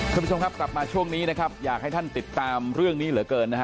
คุณผู้ชมครับกลับมาช่วงนี้นะครับอยากให้ท่านติดตามเรื่องนี้เหลือเกินนะฮะ